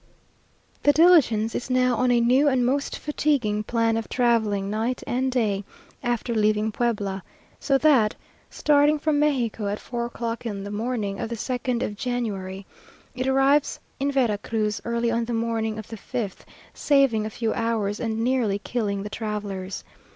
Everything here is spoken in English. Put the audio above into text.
The diligence is now on a new and most fatiguing plan of travelling night and day, after leaving Puebla; so that, starting from Mexico at four o'clock on the morning of the 2nd of January, it arrives in Vera Cruz early on the morning of the 5th, saving a few hours, and nearly killing the travellers.